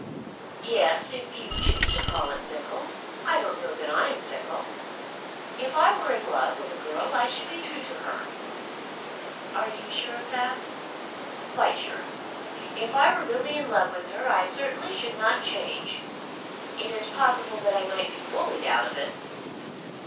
"Yes, if you choose to call it fickle. I don't know that I am fickle. If I were in love with a girl I should be true to her." "Are you sure of that?" "Quite sure. If I were really in love with her I certainly should not change. It is possible that I might be bullied out of it."